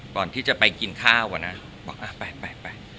ก่อนที่จะไปกินข้าวอ่ะนะบอกไป